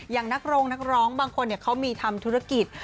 อย่างนักโรงนักร้องบางคนเขามีทำธุรกิจ